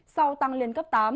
sau tăng lên cấp tám